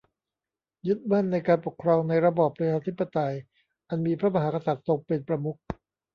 ยึดมั่นในการปกครองในระบอบประชาธิปไตยอันมีพระมหากษัตริย์ทรงเป็นประมุข